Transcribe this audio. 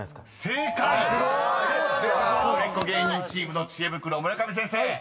［正解！では売れっ子芸人チームの知恵袋村上先生］